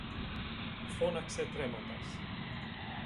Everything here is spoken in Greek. φώναξε τρέμοντας.